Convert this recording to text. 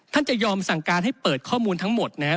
จะยอมสั่งการให้เปิดข้อมูลทั้งหมดนะครับ